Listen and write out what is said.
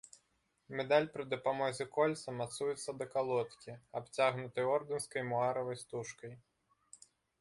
Медаль пры дапамозе кольца мацуецца да калодкі, абцягнутай ордэнскай муаравай стужкай.